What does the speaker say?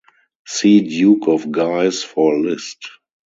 See Duke of Guise for a list.